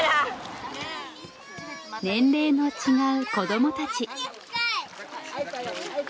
年齢の違う子どもたち。